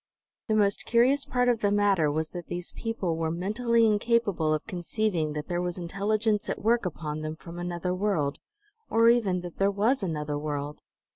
The most curious part of the matter was that these people were mentally incapable of conceiving that there was intelligence at work upon them from another world, or even that there was another world.